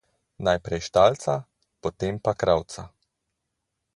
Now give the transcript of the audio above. Najprej štalca, potem pa kravca.